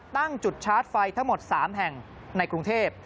ตั้งจุดชาร์จไฟทั้งหมด๓แห่งในกรุงเทพ